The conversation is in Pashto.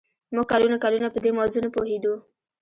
موږ کلونه کلونه په دې موضوع نه پوهېدو